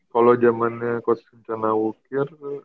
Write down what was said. kalau zamannya coach kencana wukir